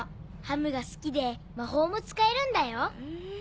ハムが好きで魔法も使えるんだよ。